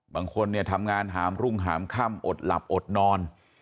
บางคนเนี่ยทำงานหามรุ่งหามค่ำอดหลับอดนอน